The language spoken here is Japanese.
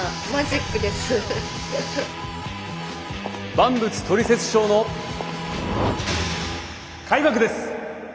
「万物トリセツショー」の開幕です！